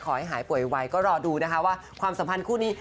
หายป่วยไวก็รอดูนะคะว่าความสัมพันธ์คู่นี้